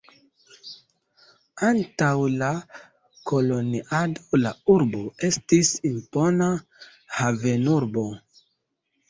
Antaŭ la koloniado la urbo estis impona havenurbo.